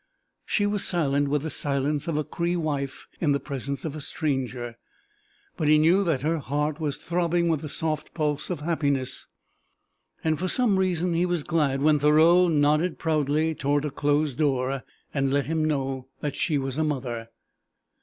She was silent with the silence of the Cree wife in the presence of a stranger, but he knew that her heart was throbbing with the soft pulse of happiness, and for some reason he was glad when Thoreau nodded proudly toward a closed door and let him know that she was a mother.